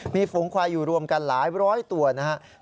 มีฝูงควายอยู่รวมกันหลายร้อยตัวนะครับ